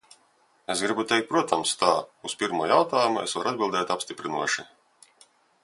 Es gribu teikt, protams, tā: uz pirmo jautājumu es varu atbildēt apstiprinoši.